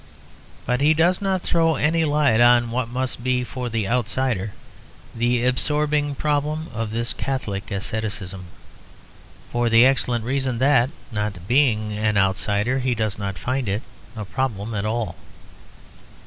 But he does not throw any light on what must be for the outsider the absorbing problem of this Catholic asceticism, for the excellent reason that, not being an outsider, he does not find it a problem at all.